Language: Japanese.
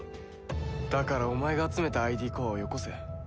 だからお前が集めたＩＤコアをよこせ。